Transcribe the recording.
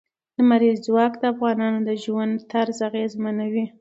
لمریز ځواک د افغانانو د ژوند طرز اغېزمنوي.